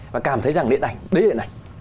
và cảm thấy rằng điện ảnh điện ảnh